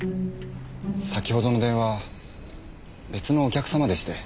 先ほどの電話別のお客様でして。